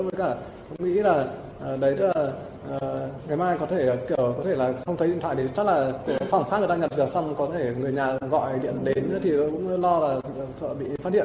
với cả tôi nghĩ là ngày mai có thể là không thấy điện thoại thì chắc là khoảng phát người ta nhận được xong có thể người nhà gọi điện đến thì tôi cũng lo là bị phát điện